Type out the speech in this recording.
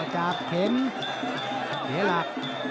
จากเข็มเหล็ก